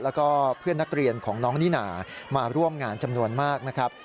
แล้วก็เพื่อนนักเรียนของน้องนิน่ามาร่วมงานจำนวนมากนะครับ